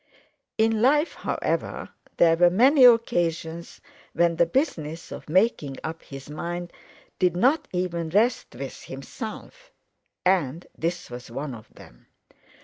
In life, however, there were many occasions when the business of making up his mind did not even rest with himself, and this was one of them.